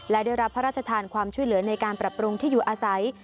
และได้รับพระราชทานความช่วยเหลือในการปรับปรุงที่อยู่อาศัย